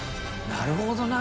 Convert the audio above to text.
なるほどな。